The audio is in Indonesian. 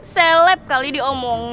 seleb kali diomongin